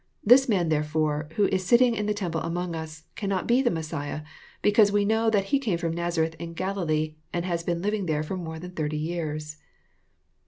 This man therefore, who is sitting in the temple among us, cannot be the Messiah, because we know that He came from Nazareth in Galilee, and has been living there for more than thirty years